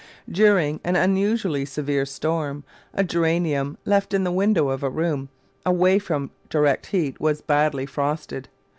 During an unusually severe storm, a Geranium left in the window of a room away from direct heat was badly frosted.